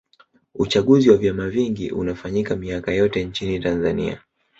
uchaguzi wa vyama vingi unafanyika miaka yote nchini tanzania